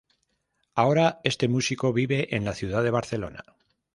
Ahora este músico vive en la ciudad de Barcelona.